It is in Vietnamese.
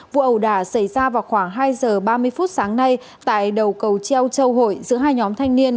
vụ ẩu đả xảy ra vào khoảng hai giờ ba mươi phút sáng nay tại đầu cầu treo châu hội giữa hai nhóm thanh niên